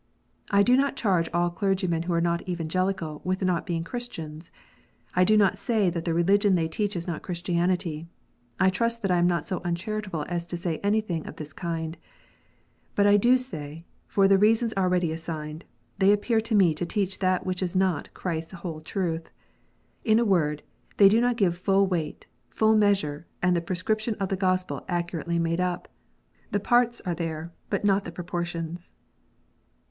I do not charge all clergymen who are not " Evangelical " with not being " Christians." I do not say that the religion they teach is not Christianity. I trust I am not so uncharitable as to say anything of this kind. But I do say that, for the reasons already assigned, they appear to me to teach that which is not Christ s whole truth. In a word, they do not give full weight, full measure, and the pre scription of the Gospel accurately made up. The parts are there, but not the proportions.